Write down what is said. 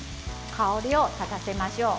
香りを立たせましょう。